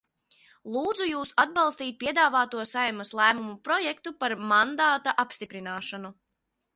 Lūdzu jūs atbalstīt piedāvāto Saeimas lēmuma projektu par mandāta apstiprināšanu.